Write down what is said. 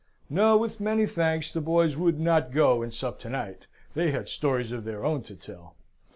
No, with many thanks, the boys would not go and sup to night. They had stories of their own to tell.